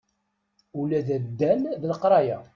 Ula d addal d leqraya.